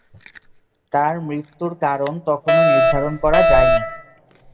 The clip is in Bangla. তার মৃত্যুর কারণ তখনও নির্ধারণ করা যায়নি।